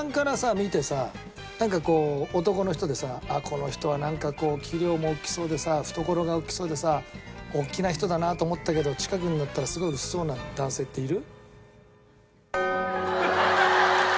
見てさなんかこう男の人でさこの人は器量も大きそうでさ懐が大きそうでさ大きな人だなと思ったけど近くになったらすごい薄そうな男性っている？